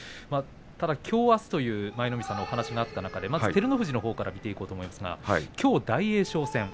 ただきょう、あすという舞の海さんの話があった中で照ノ富士から見ていこうと思いますが、きょう大栄翔戦。